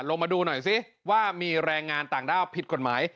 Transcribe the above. ลงมาดูหน่อยซิว่ามีแรงงานต่างด้าวผิดกฎหมาย